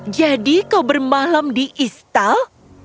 jadi kau bermalam di istal